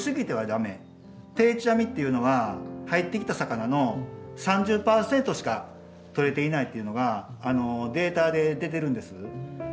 定置網っていうのは入ってきた魚の３０％しか取れていないっていうのがデータで出てるんです。